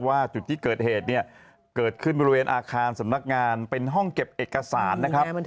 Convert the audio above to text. จุดที่เกิดเหตุเนี่ยเกิดขึ้นบริเวณอาคารสำนักงานเป็นห้องเก็บเอกสารนะครับ